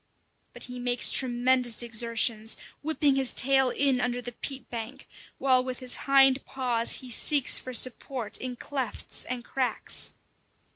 But he makes tremendous exertions, whipping his tail in under the peat bank, while with his hind paws he seeks for support in clefts and cracks.